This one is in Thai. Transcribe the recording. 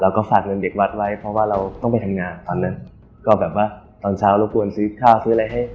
ก็ฝากเงินเด็กวัดไว้เพราะว่าเราต้องไปทำงานตอนนั้นก็แบบว่าตอนเช้ารบกวนซื้อข้าวซื้ออะไรให้